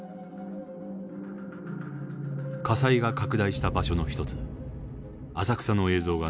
火災が拡大した場所の一つ浅草の映像が残されています。